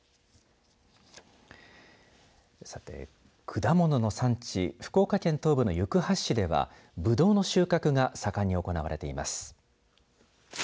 さて、果物の産地福岡県東部の行橋市ではブドウの収穫が盛んに行われています。